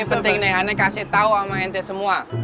ini penting nih aneh kasih tau sama ente semua